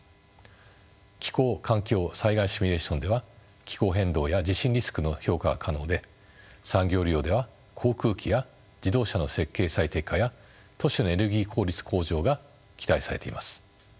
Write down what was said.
気候・環境・災害シミュレーションでは気候変動や地震リスクの評価が可能で産業利用では航空機や自動車の設計最適化や都市のエネルギー効率向上が期待されています。